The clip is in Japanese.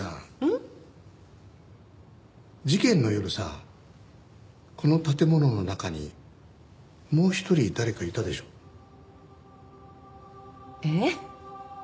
ん？事件の夜さこの建物の中にもう一人誰かいたでしょ？えっ？